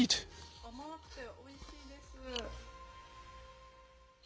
脂身が甘くておいしいです。